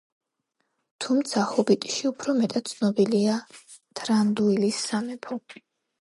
თუმცა, „ჰობიტში“ უფრო მეტად ცნობილია თრანდუილის სამეფო.